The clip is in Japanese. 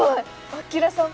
アキラさん